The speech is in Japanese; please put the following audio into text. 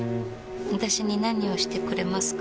私に何をしてくれますか？